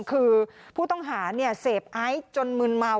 คือผู้ต้องหาเนี่ยเสพไอ้จนมืนเมา